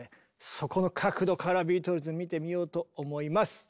そこの角度からビートルズ見てみようと思います！